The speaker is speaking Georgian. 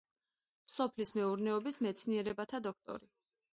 სოფლის მეურნეობის მეცნიერებათა დოქტორი.